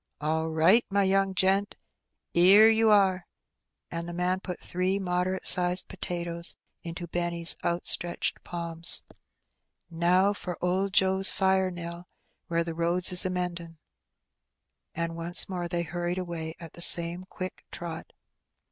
'^ All right, my young gent, 'ere you are ;'' and the man put three moderate sized potatoes into Benny's outstretched palms. '^Now for old Joe's fire, Nell, where the roads is a mend in';" and once more they hurried away at the same quick trot.